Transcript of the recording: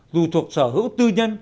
dù thuộc sở hữu tư nhân